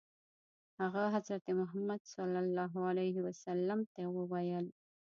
هغه حضرت محمد صلی الله علیه وسلم ته وویل.